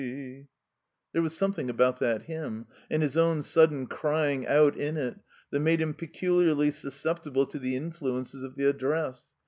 There was something about that hymn, and his own sudden crying out in it, that made him peculiar ly susceptible to the influences of the Address.